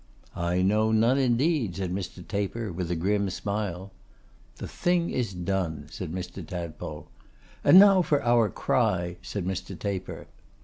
'I know none indeed,' said Mr. Taper, with a grim smile. 'The thing is done,' said Mr. Tadpole. 'And now for our cry,' said Mr. Taper.